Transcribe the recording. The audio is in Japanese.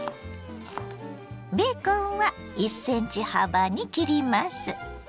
ベーコンは１ｃｍ幅に切ります。